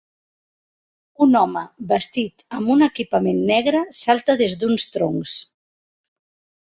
Un home vestit amb un equipament negre salta des d'uns troncs